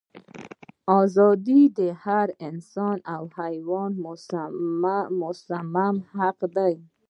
ازادي د هر انسان او حیوان مسلم حق دی.